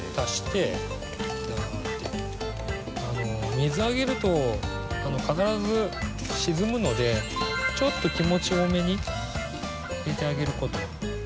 水あげると必ず沈むのでちょっと気持ち多めに入れてあげることですね。